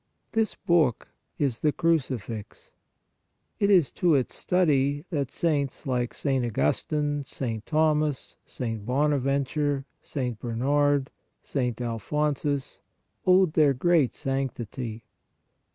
This book is the CRUCIFIX ! It is to its study that saints like St. Augustine, St. Thomas, St. Bonaventure, St. Bernard, St. Alphonsus owed their great sanctity.